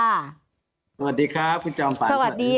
สวัสดีครับคุณผู้ชมป่านสวัสดี